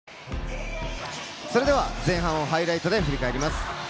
それでは前半をハイライトで振り返ります。